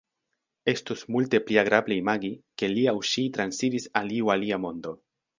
Estus multe pli agrable imagi, ke li aŭ ŝi transiris al iu alia mondo.